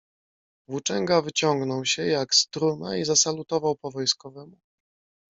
"Włóczęga wyciągnął się, jak struna i zasalutował po wojskowemu."